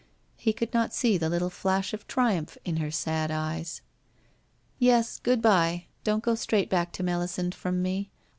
He could not see the little flash of triumph in her sad eyes. * Yes, good bye ! Don't go straight back to Melisande from me.